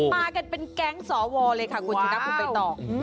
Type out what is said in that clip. ปากันเป็นแก๊งสอวาเลยค่ะคุณถุกรับคุณไปต่อ